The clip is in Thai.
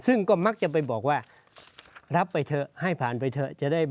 ซึ่งก็มักจะไปบอกว่ารับไปเถอะให้ผ่านไปเถอะจะได้